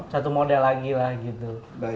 satu model lagi lah gitu